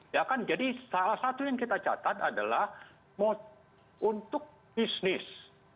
ya kan jadi salah satu yang kita catat adalah untuk bisnis